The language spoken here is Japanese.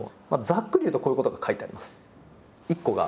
ざっくり言うとこういうことが書いてあります。